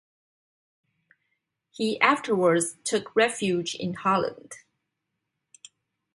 He afterwards took refuge in Holland.